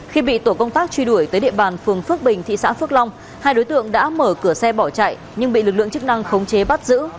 khi bị tổ công tác truy đuổi tới địa bàn phường phước bình thị xã phước long hai đối tượng đã mở cửa xe bỏ chạy nhưng bị lực lượng chức năng khống chế bắt giữ